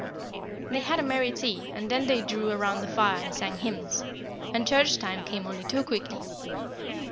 They had a merry tea, and then they drew round the fire and sang hymns; and church time came only too quickly.